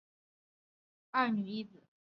孔令贻和侧室王宝翠育有二女一子。